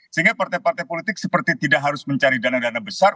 sehingga partai partai politik seperti tidak harus mencari dana dana besar